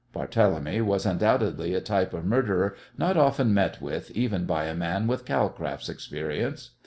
Barthélemy was undoubtedly a type of murderer not often met with even by a man with Calcraft's experience.